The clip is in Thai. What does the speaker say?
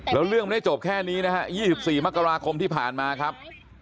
แล้วเรื่องไม่ได้จบแค่นี้นะฮะ๒๔มกราคมที่ผ่านมาครับ